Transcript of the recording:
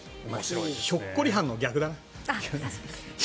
ひょっこりはんの逆だな。